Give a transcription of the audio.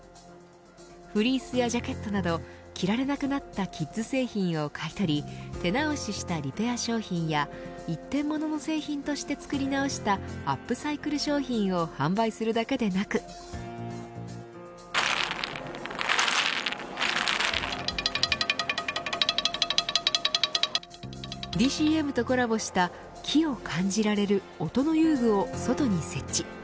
フリースやジャケットなど着られなくなったキッズ製品を買い取り手直ししたリペア商品や一点物の製品として作り直したアップサイクル商品を販売するだけでなくＤＣМとコラボした木を感じられる音の遊具を外に設置。